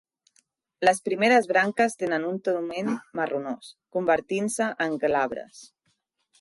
Les primeres branques tenen un toment marronós, convertint-se en glabres.